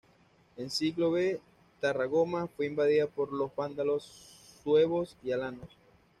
En siglo V Tarragona fue invadida por los vándalos, suevos, y alanos.